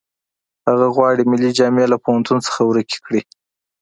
هغه غواړي ملي جامې له پوهنتون څخه ورکې کړي